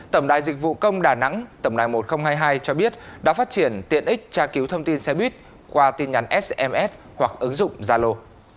tổng đài dịch vụ công đà nẵng tổng đài một nghìn hai mươi hai cho biết đã phát triển tiện ích tra cứu thông tin xe buýt qua tin nhắn sms hoặc ứng dụng gia lô